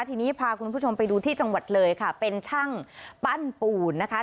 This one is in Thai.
ทีนี้พาคุณผู้ชมไปดูที่จังหวัดเลยค่ะเป็นช่างปั้นปูนนะคะ